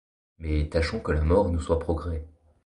Mais tâchons que la mort nous soit progrès.